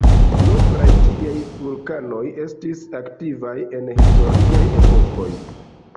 Nombraj tiaj vulkanoj estis aktivaj en historiaj epokoj.